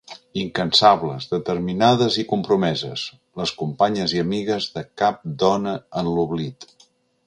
Incansables, determinades i compromeses, les companyes i amigues de Cap dona en l'oblit.